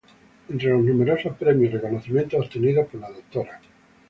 Entre los numerosos premios y reconocimientos obtenidos por la Dra.